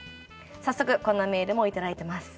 早速こんなメールも頂いてます。